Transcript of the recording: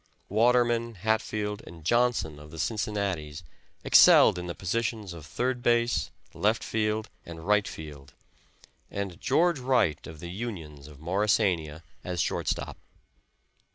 Waterman, Hatfield and Johnson, of the Cincinnatis, excelled in the positions of third base, left field and right field, and George Wright of the Unions, of Morrisiania as shortstop.